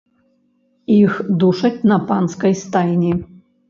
Іх душаць на панскай стайні.